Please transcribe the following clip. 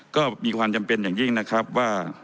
ก็มีความจำเป็นอย่างยิ่งนะครับว่า